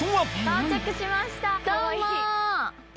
到着しましたどうも。